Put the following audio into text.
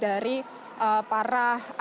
dari kelompok yang diperlukan